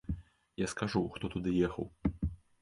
Я скажу, хто туды ехаў.